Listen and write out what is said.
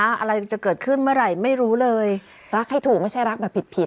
อะไรจะเกิดขึ้นเมื่อไหร่ไม่รู้เลยรักให้ถูกไม่ใช่รักแบบผิดผิด